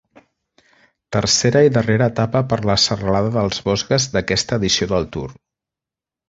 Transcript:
Tercera i darrera etapa per la serralada dels Vosges d'aquesta edició del Tour.